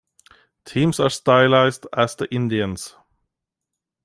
Teams are stylized as the Indians.